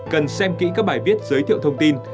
cần xem kỹ các bài viết giới thiệu thông tin